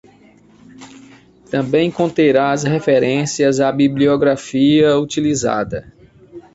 Também conterá as referências à bibliografia utilizada.